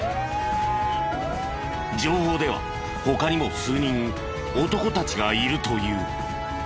情報では他にも数人男たちがいるという。